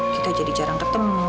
kita jadi jarang ketemu